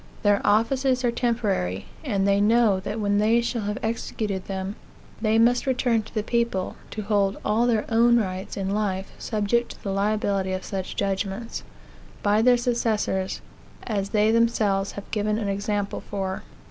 Their offices are temporary, and they know that when they shall have executed them, they must return to the people, to hold all their own rights in life subject to the liability of such judgments, by their successors, as they themselves have given an example for.